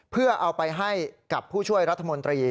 เพื่อเอาไปให้กับผู้ช่วยรัฐมนตรี